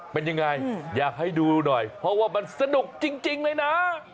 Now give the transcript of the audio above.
เป็นยังไงอยากให้ดูหน่อยเพราะว่ามันสนุกจริงเลยนะ